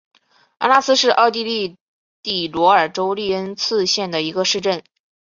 安拉斯是奥地利蒂罗尔州利恩茨县的一个市镇。